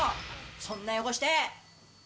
そんな汚して。